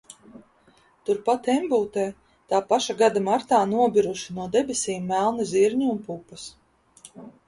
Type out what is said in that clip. Turpat Embūtē tā paša gada martā nobiruši no debesīm melni zirņi un pupas.